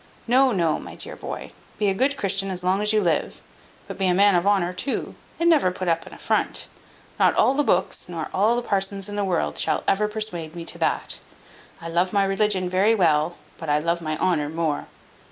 No, no, my dear boy, be a good Christian as long as you live; but be a man of honour too, and never put up an affront; not all the books, nor all the parsons in the world, shall ever persuade me to that. I love my religion very well, but I love my honour more.